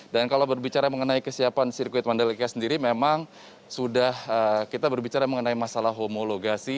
dan kalau berbicara mengenai kesiapan sirkuit mandalika sendiri memang sudah kita berbicara mengenai masalah homologasi